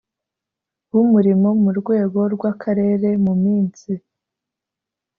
W umurimo mu rwego rw akarere mu minsi